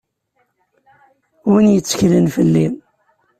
Win yetteklen fell-i.